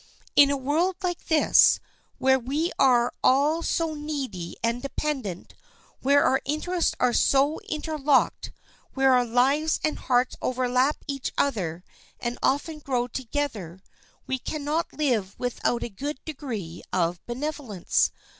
In a world like this, where we are all so needy and dependent, where our interests are so interlocked, where our lives and hearts overlap each other and often grow together, we can not live without a good degree of benevolence.